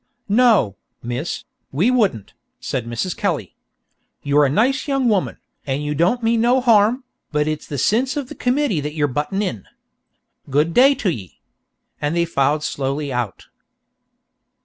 "No, Miss, we wouldn't," said Mrs. Kelly. "You're a nice young woman, and you don't mean no harm, but it's the sinse av the committee that you're buttin' in. Good day to ye." And they filed slowly out.